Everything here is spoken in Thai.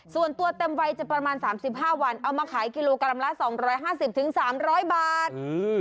เต็มวัยจะประมาณ๓๕วันเอามาขายกิโลกรัมละ๒๕๐๓๐๐บาท